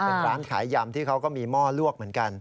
เป็นร้านขายยำที่เขาก็มีหม้อลวกเหมือนกัน